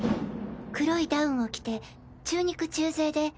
黒いダウンを着て中肉中背で。